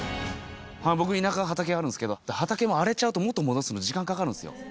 僕田舎に畑あるんですけど畑も荒れちゃうと元に戻すの時間かかるんですよ。